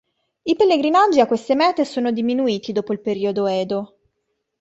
I pellegrinaggi a queste mete sono diminuiti dopo il periodo Edo.